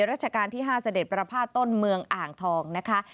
รัชกาลที่๕เศรษฐ์ปราภาษณ์ต้นเมืองอ่างทองนะคะ